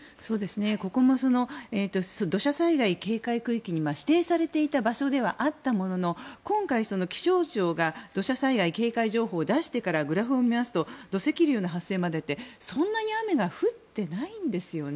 ここも土砂災害警戒区域に指定されていた場所ではあったものの今回、気象庁が土砂災害警戒情報を出してからグラフを見ますと土石流の発生までそんなに雨が降っていないんですよね。